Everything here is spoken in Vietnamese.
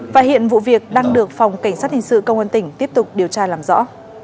và hiện vụ việc đang được phòng cảnh sát hình sự công an tỉnh tiếp tục điều tra làm rõ